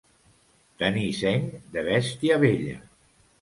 Tenir seny de bèstia vella.